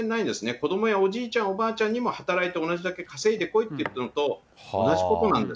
子どもやおじいちゃん、おばあちゃんにも働いて同じだけ稼いでこいっていうのと、同じことなんです。